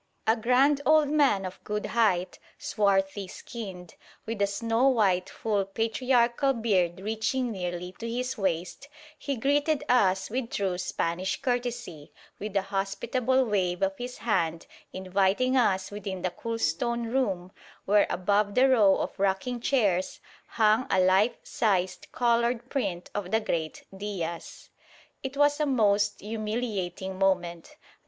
A grand old man of good height, swarthy skinned, with a snow white full patriarchal beard reaching nearly to his waist, he greeted us with true Spanish courtesy, with a hospitable wave of his hand inviting us within the cool stone room, where above the row of rocking chairs hung a life sized coloured print of the great Diaz. It was a most humiliating moment.